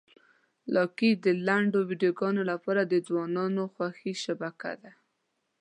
لایکي د لنډو ویډیوګانو لپاره د ځوانانو خوښې شبکه ده.